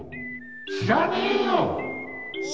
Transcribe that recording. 知らねえよ！